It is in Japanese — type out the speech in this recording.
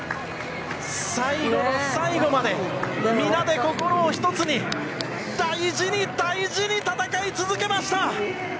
最後の最後まで皆で心を１つに大事に大事に戦い続けました。